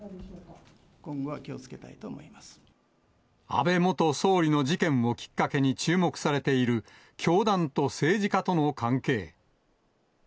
安倍元総理の事件をきっかけに注目されている、教団と政治家との関係。